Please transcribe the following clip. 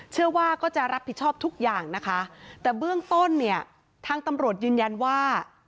เชื่อว่าก็จะรับผิดชอบทุกอย่างนะคะแต่เบื้องต้นเนี่ยทางตำรวจยืนยันว่า